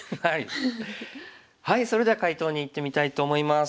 それでは解答にいってみたいと思います。